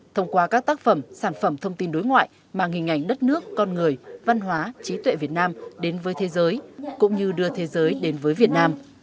thông qua các tác phẩm sản phẩm thông tin đối ngoại mang hình ảnh đất nước con người văn hóa trí tuệ việt nam đến với thế giới cũng như đưa thế giới đến với việt nam